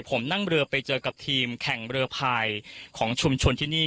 ผมนั่งเรือไปเจอกับทีมแข่งเรือพายของชุมชนที่นี่